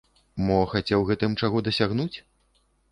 Мо хацеў гэтым чаго дасягнуць?